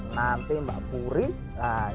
nanti mbak purin